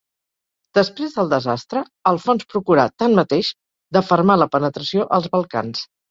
Després del desastre, Alfons procurà, tanmateix, d'afermar la penetració als Balcans.